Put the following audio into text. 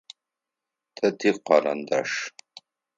Тэ тикарандаш.